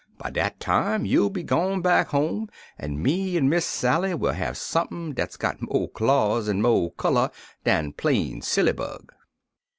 By dat time you'll be gpne back home, an' me an' Miss Sally will have sump'n dat's got mo' claws an' mo' color dan plain silly bug."